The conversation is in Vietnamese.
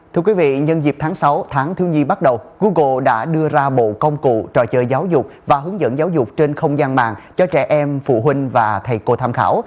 thưa quý vị nhân dịp tháng sáu tháng thiếu nhi bắt đầu google đã đưa ra bộ công cụ trò chơi giáo dục và hướng dẫn giáo dục trên không gian mạng cho trẻ em phụ huynh và thầy cô tham khảo